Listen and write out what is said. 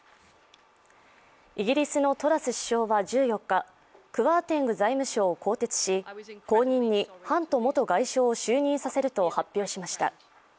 イギリスのトラス首相は１４日、クワーテング財務相を更迭し、後任にハント元外相を就任させると発表しました。